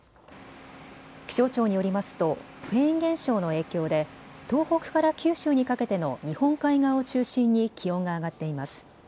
気象庁によりますとフェーン現象の影響で東北から九州にかけての日本海側を中心に気温が上がっています。